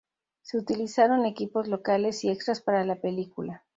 Se utilizaron equipos locales y extras para la película.